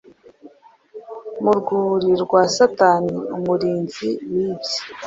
mu rwuri rwa satani umurinzi wibye,